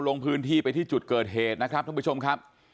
ลงพื้นที่ไปที่จุดเกิดเหตุนะครับท่านผู้ชมครับ